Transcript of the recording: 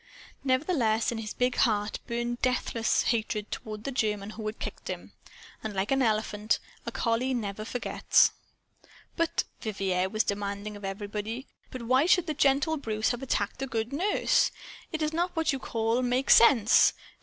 Nevertheless, in his big heart burned deathless hatred toward the German who had kicked him. And, like an elephant, a collie never forgets. "But," Vivier was demanding of everybody, "but why should the gentle Bruce have attacked a good nurse? It is not what you call 'make sense.'